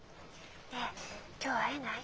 ねえ今日会えない？